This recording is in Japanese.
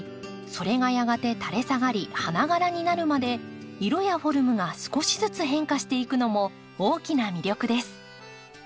それがやがてたれ下がり花がらになるまで色やフォルムが少しずつ変化していくのも大きな魅力です。